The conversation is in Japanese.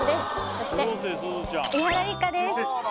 そして伊原六花です